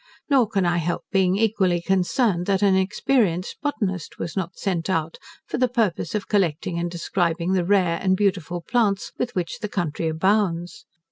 Nor can I help being equally concerned, that an experienced botanist was not sent out, for the purpose of collecting and describing the rare and beautiful plants with which the country abounds.